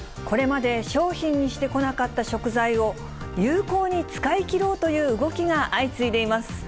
これまで、商品にしてこなかった食材を、有効に使い切ろうという動きが相次いでいます。